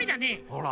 ほら。